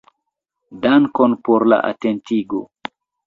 Dankon por la atentigo.